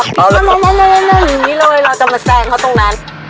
กูจะแส้งเขาตรงนั้น